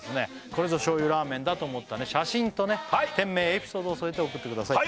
これぞ醤油ラーメンだと思った写真とね店名エピソードを添えて送ってください